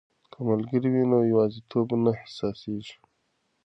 که ملګري وي نو یوازیتوب نه احساسیږي.